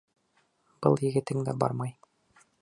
Был егетең дә бармай!